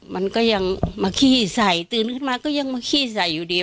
มันก็ยังมาขี้ใส